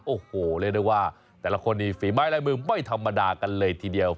โอ้โหเรียกได้ว่าแต่ละคนนี้ฝีไม้ลายมือไม่ธรรมดากันเลยทีเดียว